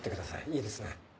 いいですね？